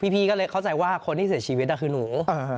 พี่ก็เลยเข้าใจว่าคนที่เสียชีวิตคือหนู